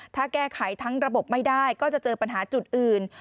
ถ้าแก้ไขทั้งระบบไม่ได้ก็จะเจอปัญหาจุดอื่น